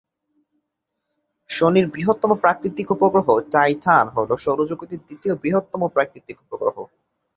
শনির বৃহত্তম প্রাকৃতিক উপগ্রহ টাইটান হল সৌরজগতের দ্বিতীয়-বৃহত্তম প্রাকৃতিক উপগ্রহ।